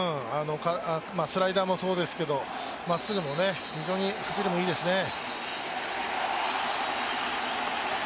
スライダーもそうですけど、まっすぐも非常に走りもいいですね。